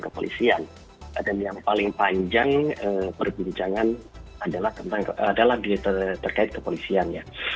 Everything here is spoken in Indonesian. kepolisian dan yang paling panjang perbincangan adalah tentang adalah di terkait kepolisiannya